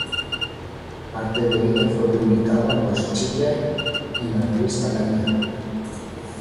Parte de ella fue publicada por Schiller en la revista "Thalia".